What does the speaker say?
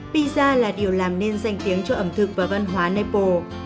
pizza là điều làm nên danh tiếng cho ẩm thực và văn hóa nepo